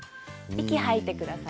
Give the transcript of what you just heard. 息を吐いてください。